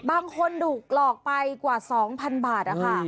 บางคนดูหลอกไปกว่าสองพันบาทนะคะ